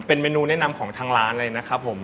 เป็นเมนูแนะนำของทางร้านเลยนะครับผม